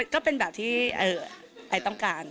ก็เป็นแบบที่ไอต้องการ